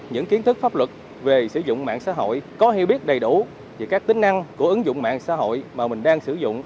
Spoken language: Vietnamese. những kiến thức pháp luật về sử dụng mạng xã hội có hiểu biết đầy đủ về các tính năng của ứng dụng mạng xã hội mà mình đang sử dụng